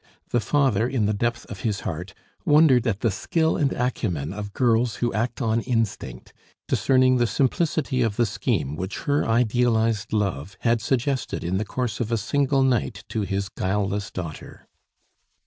The father, in the depth of his heart, wondered at the skill and acumen of girls who act on instinct, discerning the simplicity of the scheme which her idealized love had suggested in the course of a single night to his guileless daughter.